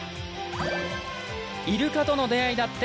イルカとの出会いだって。